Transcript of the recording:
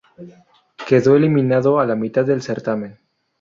Quedó eliminado a la mitad del certamen.